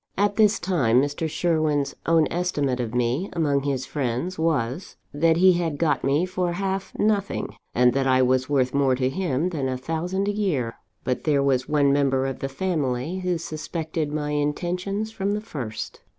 At this time, Mr. Sherwin's own estimate of me, among his friends, was, that he had got me for half nothing, and that I was worth more to him than a thousand a year. "But there was one member of the family who suspected my intentions from the first.